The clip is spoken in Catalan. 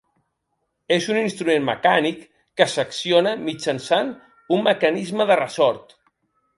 És un instrument mecànic que s'acciona mitjançant un mecanisme de ressort.